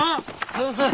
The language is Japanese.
先生